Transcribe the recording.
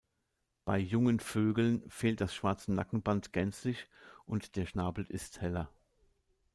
Bei Jungen Vögeln fehlt das Schwarze Nackenband gänzlich, und der Schnabel ist heller.